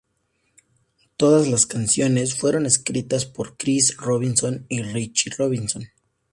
Todas las canciones fueron escritas por Chris Robinson y Rich Robinson.